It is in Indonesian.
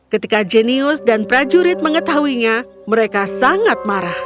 ketika jenius dan prajurit mengetahuinya mereka sangat marah